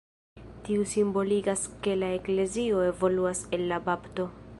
Tiu simboligas, ke la eklezio evoluas el la bapto.